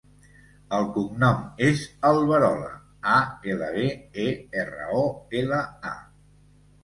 El cognom és Alberola: a, ela, be, e, erra, o, ela, a.